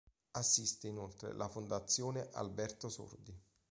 Assiste, inoltre, la Fondazione Alberto Sordi.